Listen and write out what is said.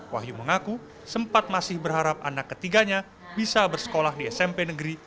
wahyu mengaku sempat masih berharap anak ketiganya bisa bersekolah di smp negeri